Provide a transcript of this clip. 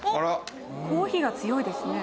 コーヒーが強いですね。